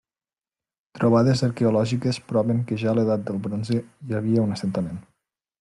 Trobades arqueològiques proven que ja a l'edat del bronze hi havia un assentament.